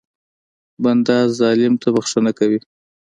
بنده ظالم ته بښنه کوي.